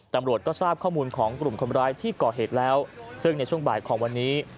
ตำรวจก็ทราบข้อมูลของกลุ่มคนร้ายที่ก่อเหตุแล้วซึ่งในช่วงบ่ายของวันนี้